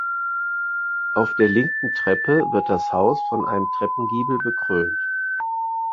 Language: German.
Auf der linken Seite wird das Haus von einem Treppengiebel bekrönt.